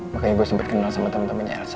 makanya gue sempet kenal sama temen temennya elsa